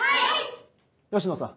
吉野さん。